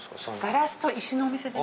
ガラスと石のお店です。